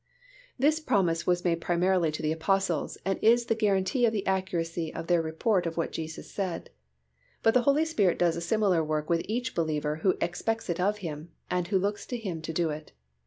_ This promise was made primarily to the Apostles and is the guarantee of the accuracy of their report of what Jesus said; but the Holy Spirit does a similar work with each believer who expects it of Him, and who looks to Him to do it.